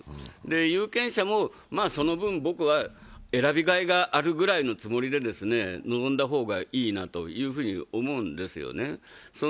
有権者もその分、選びがいがあるぐらいのつもりで臨んだ方がいいなと思うんですよね。